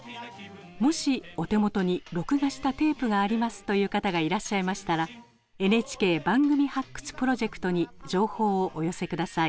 もしお手元に録画したテープがありますという方がいらっしゃいましたらＮＨＫ番組発掘プロジェクトに情報をお寄せ下さい。